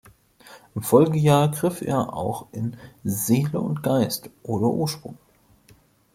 Im Folgejahr griff er auch in „Seele und Geist oder Ursprung.